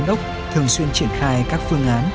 dân tư thành công